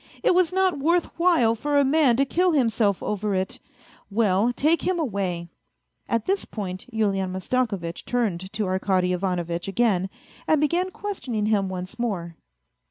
It was not worth while for a man to kill himself over it ! Well, take him away !".. .At this point Yulian Mastakovitch turned to Arkady Ivanovitch again, and began questioning him once more.